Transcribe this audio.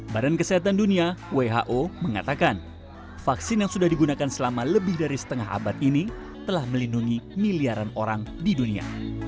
badan kesehatan dunia who mengatakan vaksin yang sudah digunakan selama lebih dari setengah abad ini telah melindungi miliaran orang di dunia